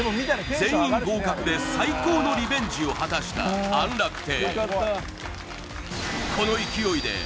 全員合格で最高のリベンジを果たした安楽亭